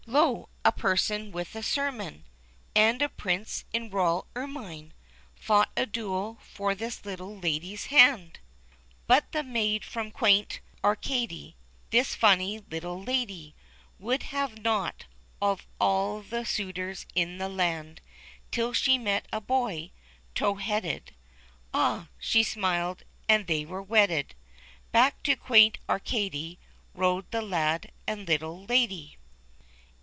Lo ! a parson with a sermon And a prince in royal ermine Fought a duel for this little lady's hand. THE LITTLE LADY. 327 But the maid from Quaint Ar cady — This funny little lady — Would have nought of all the suitors in the land;, Till she met a boy, towheaded ; Ah ! she smiled, and they were wedded ;— Back to Quaint Arcady rode the lad and little lady.